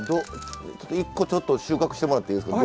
１個ちょっと収穫してもらっていいですか？